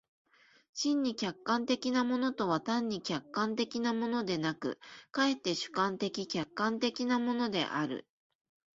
真に客観的なものとは単に客観的なものでなく、却って主観的・客観的なものである。